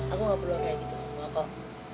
aku gak perlu kayak gitu sama lo kok